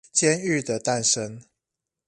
監獄的誕生